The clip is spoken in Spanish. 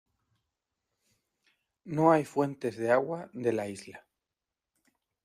No hay fuentes de agua de la isla.